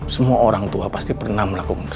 semua orang tua pasti pernah melakukan